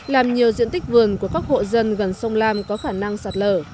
làm nhiều diện tích vườn của các hộ dân gần sông lam có khả năng sạt lở